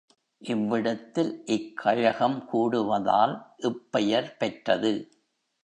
இவ்விடத்தில் இக்கழகம் கூடுவதால், இப்பெயர் பெற்றது.